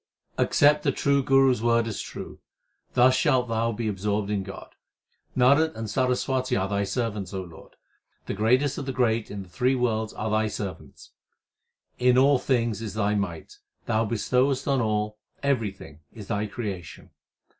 Accept the true Guru s word as true ; thus shalt thou be absorbed in God. Narad and Saraswati are Thy servants, O Lord. The greatest of the great in the three worlds are Thy servants. In all things is Thy might ; Thou bestowest on all ; everything is Thy creation.